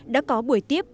đã có buổi tiếp